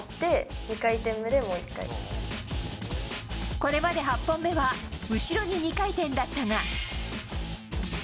これまで８本目は後ろに２回転だったが。